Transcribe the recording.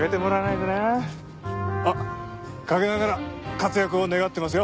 あっ陰ながら活躍を願ってますよ